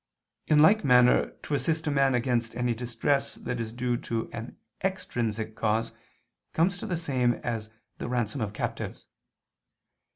In like manner to assist a man against any distress that is due to an extrinsic cause comes to the same as the ransom of captives.